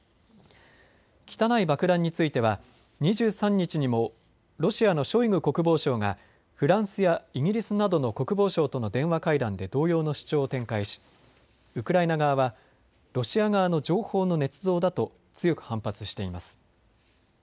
汚い爆弾については２３日にもロシアのショイグ国防相がフランスやイギリスなどの国防相との電話会談で同様の主張を展開しウクライナ側はロシア側の情報のねつ造だと強く反発しています。